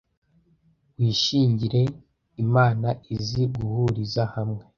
wishingire imana izi guhuriza hamwe